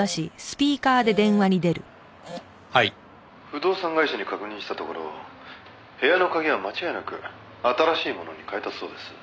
「不動産会社に確認したところ部屋の鍵は間違いなく新しいものに替えたそうです」